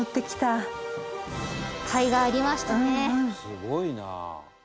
「すごいな」